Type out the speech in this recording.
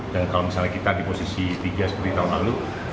dan kalau misalnya kita di posisi tiga setengah tahun lalu